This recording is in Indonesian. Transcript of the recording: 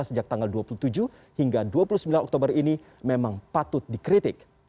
sejak tanggal dua puluh tujuh hingga dua puluh sembilan oktober ini memang patut dikritik